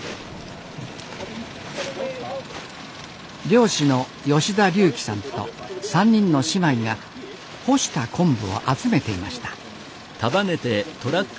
漁師の吉田龍希さんと３人の姉妹が干した昆布を集めていました。